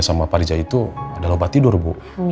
sama pak riza itu adalah obat tidur bu